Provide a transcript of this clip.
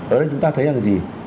ở đây chúng ta thấy rằng là gì